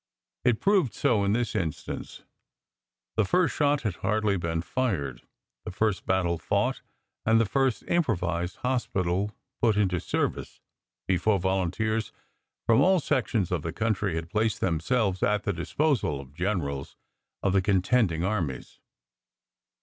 It proved so in this instance. The first shot had hardly been fired, the first battle fought and the first improvised hospital put into service, before volunteers from all sections of the country had placed themselves at the disposal of generals of the contending armies.